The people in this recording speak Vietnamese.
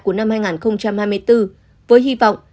của năm hai nghìn hai mươi bốn với hy vọng